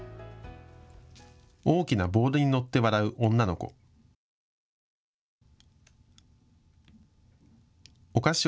大きなボールに乗って笑う女の子。